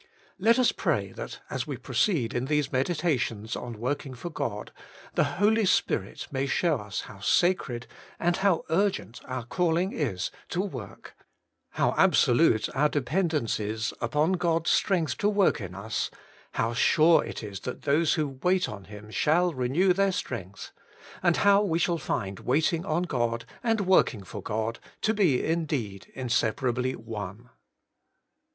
Let us pray that as we proceed in these Working for God 15 meditations on working for God, the Holy Spirit may show us how sacred and how urgent our calling is to work, how absolute our dependence is upon God's strength to work in us, how sure it is that those who wait on Him shall renew their strength, and how we shall find waiting on God and working for God to be indeed inseparably one.